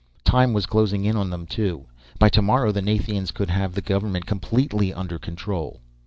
Time was closing in on them, too. By tomorrow the Nathians could have the government completely under control.